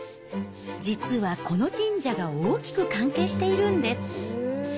実はこの神社が大きく関係しているんです。